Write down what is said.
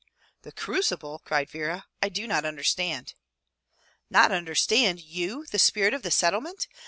"The crucible!" cried Vera. "I do not understand." "Not understand, — you the spirit of the Settlement!